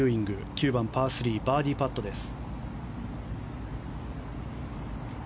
９番、パー３バーディーパットです。